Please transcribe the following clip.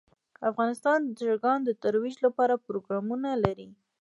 افغانستان د چرګان د ترویج لپاره پروګرامونه لري.